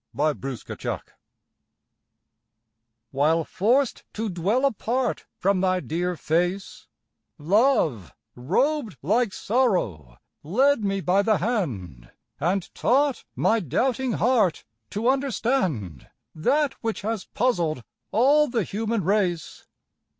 HEAVEN AND HELL While forced to dwell apart from thy dear face, Love, robed like sorrow, led me by the hand And taught my doubting heart to understand That which has puzzled all the human race.